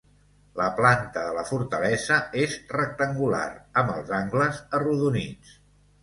La planta de la fortalesa és rectangular, amb els angles arrodonits.